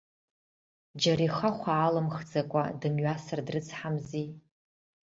Џьара ихахә аалимхӡакәа дымҩасыр дрыцҳамзи.